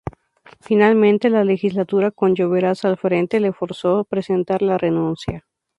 Finalmente, la legislatura, con Lloveras al frente, lo forzó a presentar la renuncia.